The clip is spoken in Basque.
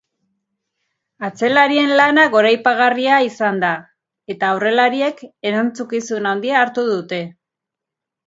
Atzelarien lana goraipagarria izan da, eta aurrelariek erantzunkizun handia hartu dute.